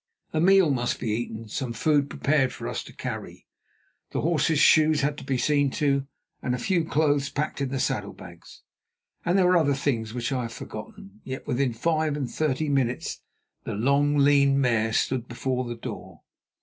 A meal must be eaten and some food prepared for us to carry. The horses' shoes had to be seen to, and a few clothes packed in the saddle bags. Also there were other things which I have forgotten. Yet within five and thirty minutes the long, lean mare stood before the door.